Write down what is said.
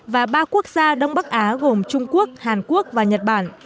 và ba quốc gia đông bắc á gồm trung quốc hàn quốc và nhật bản